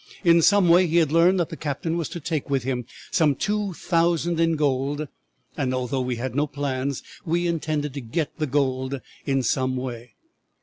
In some way he had learned that the captain was to take with him some two thousand in gold, and although we had no plans, we intended to get the gold in some way.